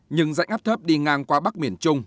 nhưng dạnh áp thấp đi ngang qua bắc miền trung